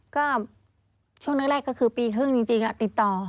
ก็ช่วงแรกก็คือปีครึ่งจริงติดต่อ